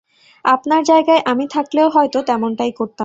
আপনার জায়গায় আমি থাকলেও হয়ত তেমনটাই করতাম।